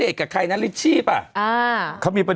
เป็นการกระตุ้นการไหลเวียนของเลือด